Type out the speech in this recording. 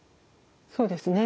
そうですね。